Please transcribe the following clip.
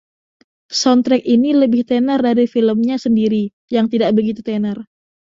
Soundtrack ini lebih tenar dari filmnya sendiri, yang tidak begitu tenar.